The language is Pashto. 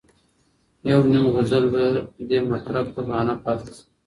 یو نیم غزل به دي مطرب ته بهانه پاته سي